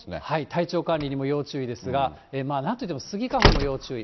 体調管理にも要注意ですが、なんといってもスギ花粉も要注意。